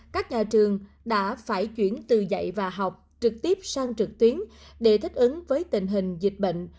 các nhà trường đã phải chuyển từ dạy và học trực tiếp sang trực tuyến để thích ứng với tình hình dịch bệnh